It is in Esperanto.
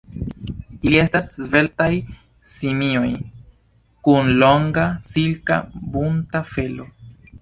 Ili estas sveltaj simioj, kun longa, silka, bunta felo.